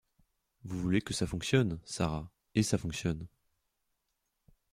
Vous voulez que ça fonctionne, Sara. Et ça fonctionne.